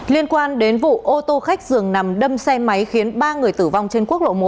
liên quan đến vụ ô tô khách dường nằm đâm xe máy khiến ba người tử vong trên quốc lộ một